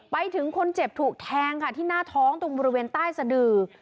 ไปถึงคนเจ็บถูกแทงค่ะที่หน้าท้องตรงบริเวณใต้สะดือ